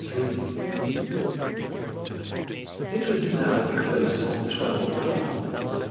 III. It was now close on twelve o'clock.